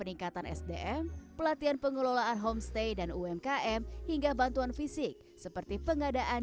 peningkatan sdm pelatihan pengelolaan homestay dan umkm hingga bantuan fisik seperti pengadaan